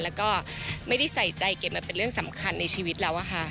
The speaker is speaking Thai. แล้วก็ไม่ได้ใส่ใจเก็บมาเป็นเรื่องสำคัญในชีวิตแล้วอะค่ะ